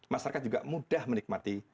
masyarakat juga mudah menikmati